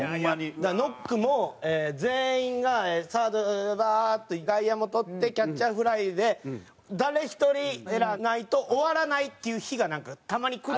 だからノックも全員がサードバーッと外野も捕ってキャッチャーフライで誰一人エラーがないと終わらないっていう日がなんかたまに来る。